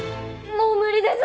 もう無理です！